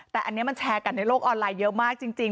แต่อันนี้มันแชร์กันในโลกออนไลน์เยอะมากจริง